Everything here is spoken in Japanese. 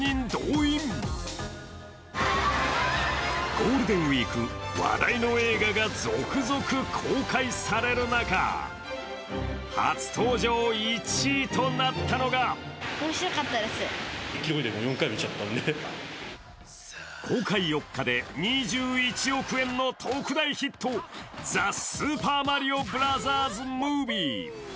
ゴールデンウイーク話題の映画が続々公開される中初登場１位となったのが公開４日で２１億円の特大ヒット、「ザ・スーパーマリオブラザーズ・ムービー」。